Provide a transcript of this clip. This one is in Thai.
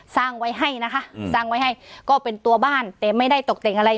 สร้างไว้ให้นะคะสร้างไว้ให้ก็เป็นตัวบ้านแต่ไม่ได้ตกแต่งอะไร